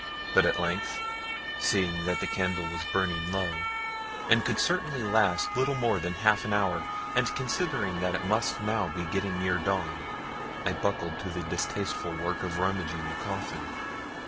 But at length, seeing that the candle was burning low, and could certainly last little more than half an hour, and considering that it must now be getting near dawn, I buckled to the distasteful work of rummaging the coffin.